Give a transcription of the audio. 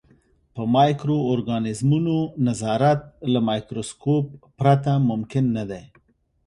په مایکرو ارګانیزمونو نظارت له مایکروسکوپ پرته ممکن نه دی.